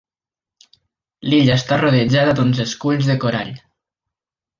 L'illa està rodejada d'uns esculls de corall.